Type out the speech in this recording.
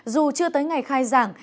dù chưa tới ngày khai giảng